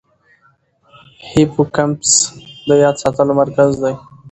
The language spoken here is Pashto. هیپوکمپس د یاد ساتلو مرکز دی.